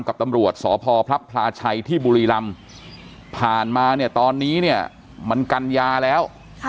กับตำรวจสพพระพลาชัยที่บุรีรำผ่านมาเนี่ยตอนนี้เนี่ยมันกัญญาแล้ว